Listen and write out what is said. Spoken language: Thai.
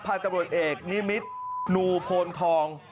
ผ่านกำรวจเอกนิมิตรหนูโพนทอง